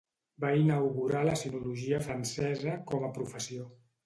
Va inaugurar la sinologia francesa com a professió.